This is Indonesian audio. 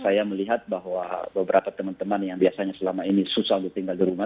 saya melihat bahwa beberapa teman teman yang biasanya selama ini susah untuk tinggal di rumah